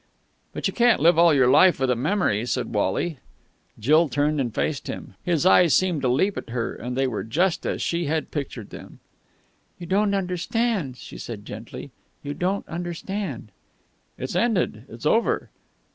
"But you can't live all your life with a memory," said Wally. Jill turned and faced him. His eyes seemed to leap at her, and they were just as she had pictured them. "You don't understand," she said gently. "You don't understand." "It's ended. It's over."